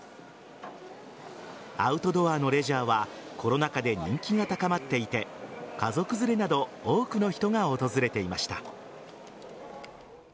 アウトドアのレジャーはコロナ禍で人気が高まっていて家族連れなど多くの人が訪れていました。